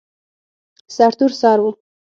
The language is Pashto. سرتور سر و.